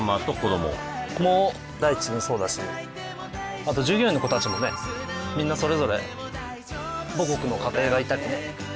あと従業員の子たちもねみんなそれぞれ母国の家庭がいたりね